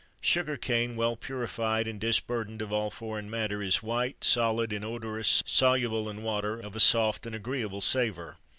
[XXIII 72] Sugar cane, well purified, and disburthened of all foreign matter, is white, solid, inodorous, soluble in water, of a soft and agreeable savour.